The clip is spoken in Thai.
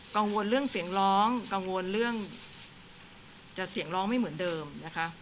กังวลเรื่องเสียงร้องกังวลเรื่องจะเสียงร้องไม่เหมือนเดิมนะคะ